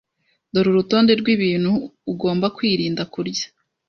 Dore urutonde rwibintu ugomba kwirinda kurya.